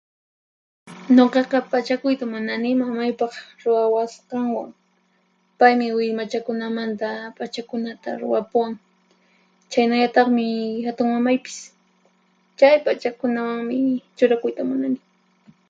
Nuqaqa p'achakuyta munani mamaypaq ruwawasqanwan. Paymi willmachakunamanta p'achakunata ruwapuwan, chhaynallataqmi hatunmamaypis. Chay p'achakunawanmi churakuyta munani.